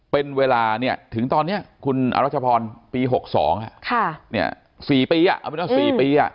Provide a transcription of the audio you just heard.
เป็นเวลาเนี่ยถึงตอนนี้คุณอรัชพรปี๖๒นี่๔ปี